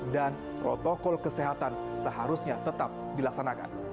dan protokol kesehatan seharusnya tetap dilaksanakan